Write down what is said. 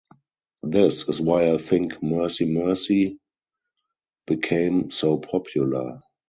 This is why I think 'Mercy, Mercy' became so popular.